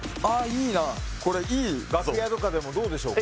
これいいぞ楽屋とかでもどうでしょうか？